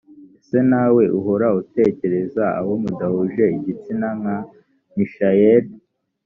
ese nawe uhora utekereza abo mudahuje igitsina nka michael